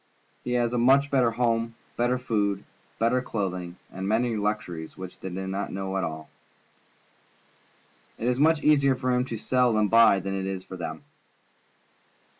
He has a better home, better food, better clothing, and many luxuries which they do not know at all. It is much easier for him to sell and buy than it is for them.